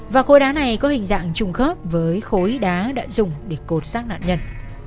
và khối đá này có hình dạng trùng khớp với khối đá đã dùng để cột xác nạn nhân